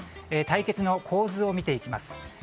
対決の構図を見ていきます。